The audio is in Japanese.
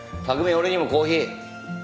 俺にもコーヒー。